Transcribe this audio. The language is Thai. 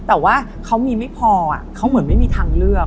แต่ว่าเขามีไม่พอเขาเหมือนไม่มีทางเลือก